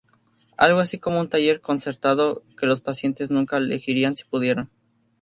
Algo así como un taller concertado, que los pacientes nunca elegirían si pudieran.